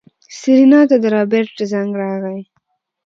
سېرېنا ته د رابرټ زنګ راغی.